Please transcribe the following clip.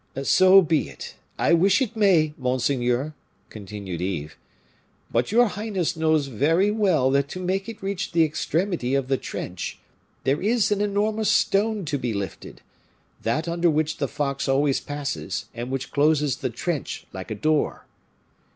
"So be it; I wish it may, monseigneur," continued Yves; "but your highness knows very well that to make it reach the extremity of the trench, there is an enormous stone to be lifted that under which the fox always passes, and which closes the trench like a door."